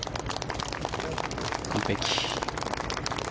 完璧。